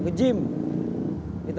gak ada yang ngerti